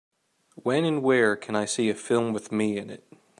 When and where can I see A Film with Me in It